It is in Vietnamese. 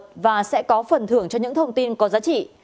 quý vị sẽ có phần thưởng cho những thông tin có giá trị